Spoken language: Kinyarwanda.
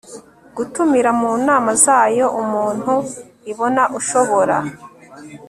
gutumira mu nama zayo umuntu ibona ushobora